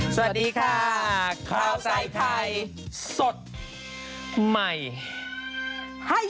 สวัสดีค่าข้าวใส่ไทยสดใหม่ให้เยอะ